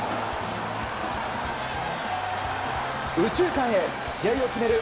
右中間へ試合を決める